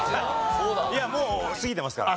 いやもう過ぎてますから。